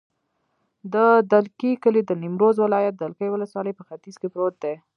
د دلکي کلی د نیمروز ولایت، دلکي ولسوالي په ختیځ کې پروت دی.